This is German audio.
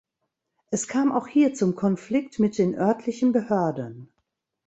Es kam auch hier zum Konflikt mit den örtlichen Behörden.